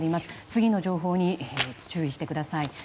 次の情報に注意してください。